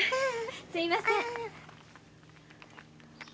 すみません。